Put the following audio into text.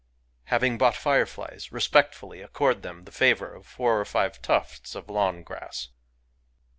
Having bought fireflies, respectfully accord them the favour of four or five tufts of lawn grass